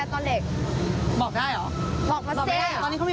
พี่ติ๊กเจ็ดสดาพรผ่อนดี